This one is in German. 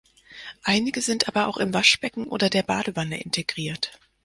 Einige sind aber auch im Waschbecken oder der Badewanne integriert.